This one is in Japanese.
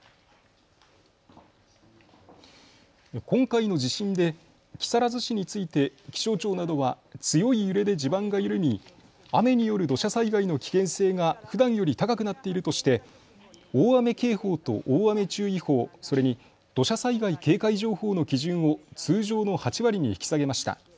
今回の地震で木更津市について気象庁などは強い揺れで地盤が緩み雨による土砂災害の危険性がふだんより高くなっているとして大雨警報と大雨注意報、それに土砂災害警戒情報の基準を通常の８割に引き下げました。